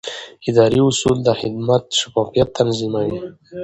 اداري اصول د خدمت شفافیت تضمینوي.